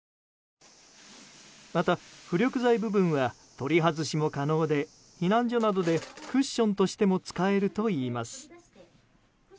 また、浮力材部分は取り外しも可能で避難所などでクッションとしても使えるといいます。